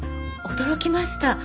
驚きました。